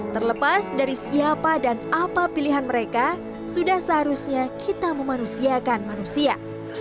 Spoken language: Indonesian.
terlepas dari siapa dan apa pilihan mereka sudah seharusnya kita memanusiakan manusia